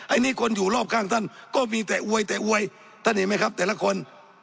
อันนี้คนอยู่รอบข้างท่านก็มีแต่อวยแต่อวยท่านเห็นไหมครับแต่ละคน